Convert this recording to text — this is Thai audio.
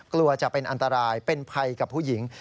กลัวจะเป็นอันตรายเป็นภัยกับผู้หญิง